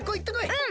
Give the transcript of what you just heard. うん！